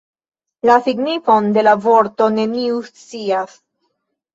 La signifon de la vorto neniu scias.